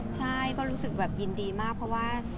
ใช่ก็รู้สึกแบบยินดีมากเพราะว่า